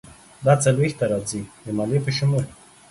دا څلویښت ته راځي، د مالیې په شمول.